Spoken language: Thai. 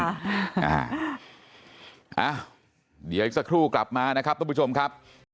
อ้าวเดี๋ยวอีกสักครู่กลับมานะครับทุกผู้ชมครับ